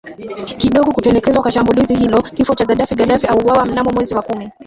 kidogo kutekelezwa kwa shambulizi hilo Kifo cha Gaddafi Gaddafi auawa mnamo mwezi wa kumi